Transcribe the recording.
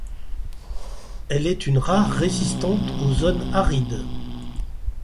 Elle est une race résistante aux zones arides.